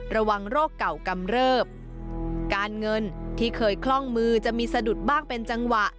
ระวังโรคเก่ากำเริบการเงินที่เคยคล่องมือจะมีสะดุดบ้างเป็นจังหวะ